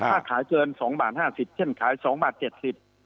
ถ้าขายเกินสองบาทห้าสิบเช่นขายสองบาทเจ็ดสิบ